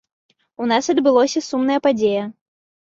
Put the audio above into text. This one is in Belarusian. У нас адбылося сумная падзея.